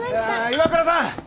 岩倉さん